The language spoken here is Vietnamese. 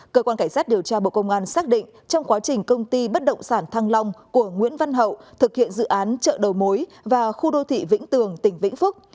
cơ quan cảnh sát điều tra bộ công an xác định trong quá trình công ty bất động sản thăng long của nguyễn văn hậu thực hiện dự án chợ đầu mối và khu đô thị vĩnh tường tỉnh vĩnh phúc